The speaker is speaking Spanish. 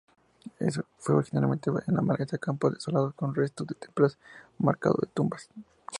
Fue originalmente una maleza, campos desolados con restos de templos marcados de tumbas.